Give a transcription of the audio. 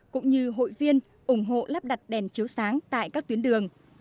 cũng như hội viên ủng hộ lắp đặt đèn chiếu sáng tại các tuyến đường